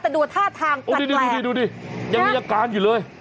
แต่ดูว่าท่าทางกันแหละดูดิยังมีอาการอยู่เลย